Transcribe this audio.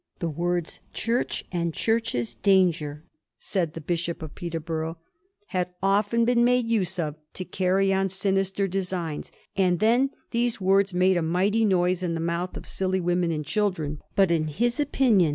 'The words "Church," and "Church's danger,'" said the Bishop of Peterborough, 'had often been made use of to carry on sinister designs ; and then these words made a mighty noise in the mouth of silly women and children ;' but in his opinion the VOL.